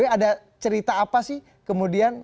ada cerita apa sih kemudian